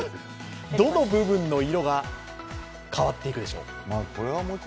どの部分の色が変わっていくでしょう。